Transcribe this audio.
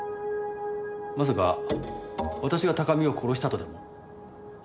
まさか私が高見を殺したとでも？